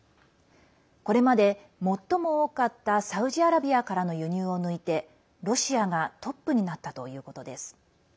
これまで最も多かったサウジアラビアからの輸入を抜いてロシアがトップになったということです。